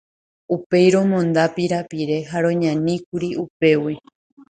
Upéi romonda pirapire ha roñaníkuri upégui.